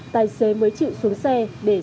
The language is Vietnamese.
đây ạ nguyễn công hải